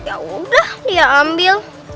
ya udah lia ambil